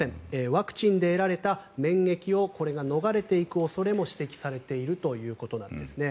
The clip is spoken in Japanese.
ワクチンで得られた免疫をこれが逃れていく恐れも指摘されているということです。